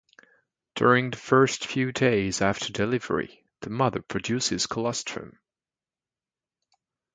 During the first few days after delivery, the mother produces colostrum.